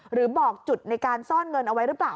หรือบอกจุดในการซ่อนเงินเอาไว้หรือเปล่า